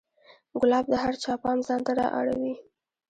ګلاب د هر چا پام ځان ته را اړوي.